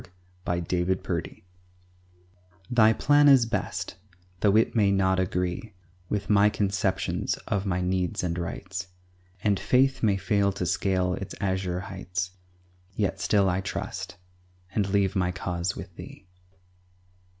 GOD'S PLAN IS BEST Thy plan is best, though it may not agree With my conceptions of my needs and rights, And faith may fail to scale its azure heights; Yet still I trust, and leave my cause with Thee.